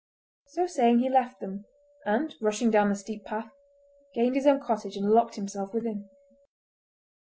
So saying he left them, and, rushing down the steep path, gained his own cottage and locked himself within.